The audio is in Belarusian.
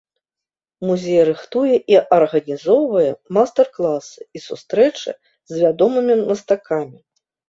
Музей рыхтуе і арганізоўвае майстар-класы і сустрэчы з вядомымі мастакамі.